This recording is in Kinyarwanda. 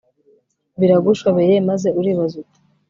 Biragushobeye maze uribaza uti